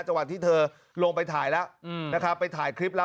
จังหวัดที่เธอลงไปถ่ายแล้วนะครับไปถ่ายคลิปแล้ว